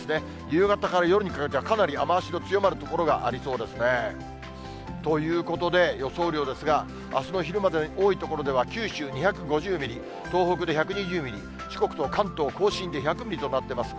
夕方から夜にかけてはかなり雨足の強まる所がありそうですね。ということで、予想雨量ですが、あすの昼までに、多い所では九州２５０ミリ、東北で１２０ミリ、四国と関東甲信で１００ミリとなってます。